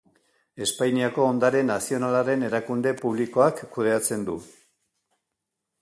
Espainiako Ondare Nazionalaren erakunde publikoak kudeatzen du.